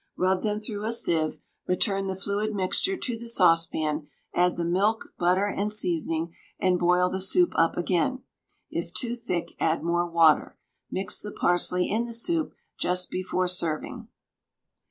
Rub them through a sieve, return the fluid mixture to the saucepan; add the milk, butter, and seasoning, and boil the soup up again; if too thick add more water. Mix the parsley in the soup just before serving.